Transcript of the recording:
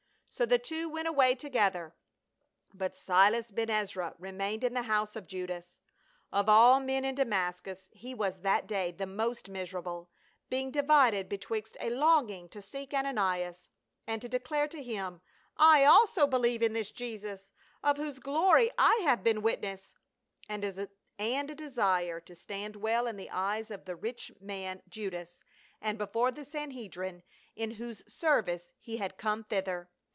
So the two went away together, but Silas Ben Ezra remained in the house of Judas. Of all men in Damascus he was that day the most miserable, being divided betwixt a longing to seek Ananias and to declare to him, I also believe in this Jesus, of whose glory I have been witness, and a desire to stand well in the eyes of the rich man Judas and before the San hedrim, in whose service he had come thither.